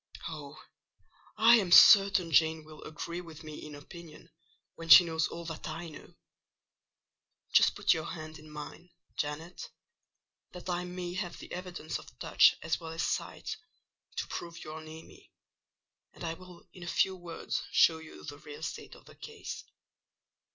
Oh, I am certain Jane will agree with me in opinion, when she knows all that I know! Just put your hand in mine, Janet—that I may have the evidence of touch as well as sight, to prove you are near me—and I will in a few words show you the real state of the case.